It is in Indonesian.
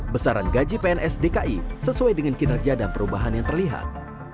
besaran gaji pns dki sesuai dengan kinerja dan perubahan yang terlihat